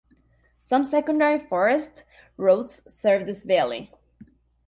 Some secondary forest roads serve this valley.